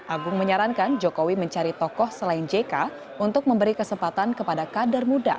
agung menyarankan jokowi mencari tokoh selain jk untuk memberi kesempatan kepada kader muda